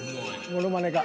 ものまねが。